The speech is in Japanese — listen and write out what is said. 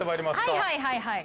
はいはいはいはい。